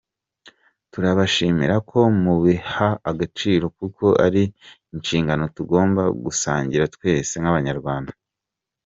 Turabashimira ko mubiha agaciro kuko ari inshingano tugomba gusangira twese Abanyarwanda.